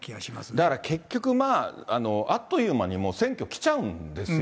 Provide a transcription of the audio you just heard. だから、結局まあ、あっという間にもう選挙来ちゃうんですよ。